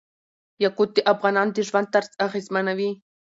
یاقوت د افغانانو د ژوند طرز اغېزمنوي.